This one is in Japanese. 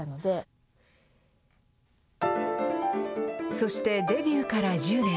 そして、デビューから１０年。